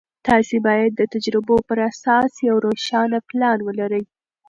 تاسې باید د تجربو پر اساس یو روښانه پلان ولرئ.